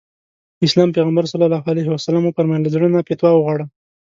د اسلام پيغمبر ص وفرمايل له زړه نه فتوا وغواړه.